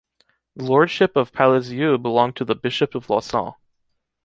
The lordship of Palézieux belonged to the Bishop of Lausanne.